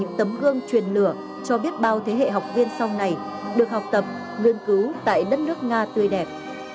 điều truyền lượng của học viện điều tra volkagras cho biết bao thế hệ học viên sau này được học tập ngươn cứu tại đất nước nga tươi đẹp